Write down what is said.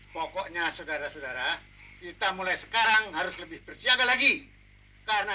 pokoknya saudara saudara kita mulai sekarang harus lebih bersiaga lagi karena